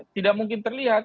tidak mungkin terlihat